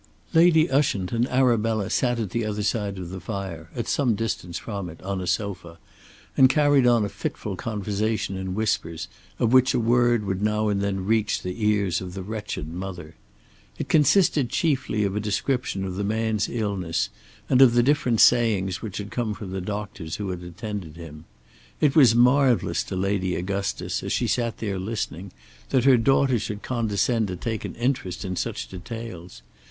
Lady Ushant and Arabella sat at the other side of the fire, at some distance from it, on a sofa, and carried on a fitful conversation in whispers, of which a word would now and then reach the ears of the wretched mother. It consisted chiefly of a description of the man's illness, and of the different sayings which had come from the doctors who had attended him. It was marvellous to Lady Augustus, as she sat there listening, that her daughter should condescend to take an interest in such details.